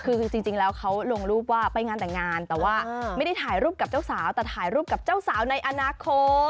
คือจริงแล้วเขาลงรูปว่าไปงานแต่งงานแต่ว่าไม่ได้ถ่ายรูปกับเจ้าสาวแต่ถ่ายรูปกับเจ้าสาวในอนาคต